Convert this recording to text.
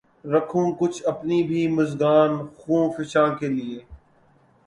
رکھوں کچھ اپنی بھی مژگان خوں فشاں کے لیے